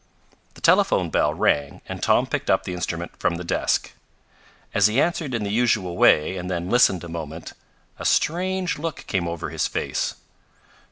The telephone bell rang and Tom picked up the instrument from the desk. As he answered in the usual way and then listened a moment, a strange look came over his face.